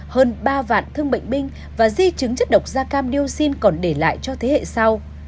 hơn ba vạn thương bệnh binh và di chứng chất độc da cam dioxin còn để lại cho thế hệ sau